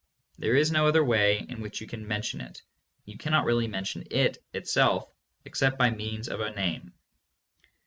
There is no other way in which you can mention it. You cannot really mention it itself except by means of a name.